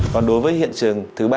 còn đối với hiện trường thứ ba